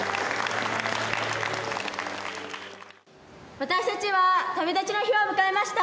私たちは旅立ちの日を迎えました。